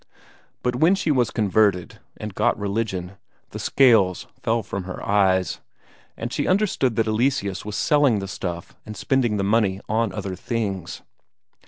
But when she was converted, and got religion, the scales fell from her eyes, and she understood that Eleseus was selling the stuff and spending the money on other things.